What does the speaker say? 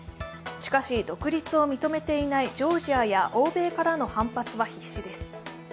しかし、独立を認めていないジョージアや欧米からの反発は必至です。